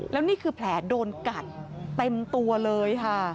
แล้วนี่คือแผลโดนกัดเต็มตัวเลยค่ะ